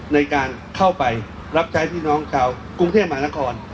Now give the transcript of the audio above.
ในการเข้าไปรับใช้พี่น้องชาวกรุงเทพมหานคร